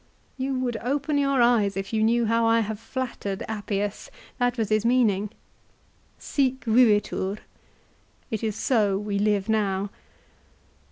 You would open your eyes if you knew how I have nattered Appius. That was his meaning. " Sic vivitur !"" It is so we live now."